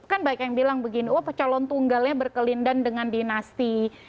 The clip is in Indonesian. kan banyak yang bilang begini oh calon tunggalnya berkelindan dengan dinasti